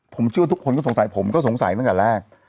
ผมเชื่อว่าทุกคนก็สงสัยผมก็สงสัยตั้งแต่แรก